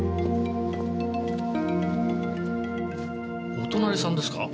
お隣さんですか？